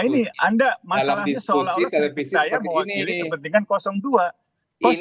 nah ini anda masalahnya seolah olah saya mau mengwajibkan kepentingan dua